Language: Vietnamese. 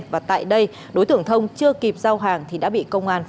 và tại đây đối tượng thông chưa kịp giao hàng thì đã bị công an